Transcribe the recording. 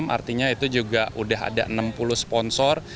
artinya itu juga udah ada enam puluh sponsor